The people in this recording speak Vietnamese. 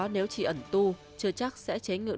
nếu chỉ ẩn tu chưa chắc sẽ chế ngựa